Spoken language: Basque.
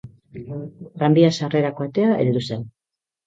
Tranbia sarrerako atea heldu zen.